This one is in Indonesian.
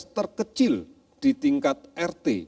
terkecil di tingkat rt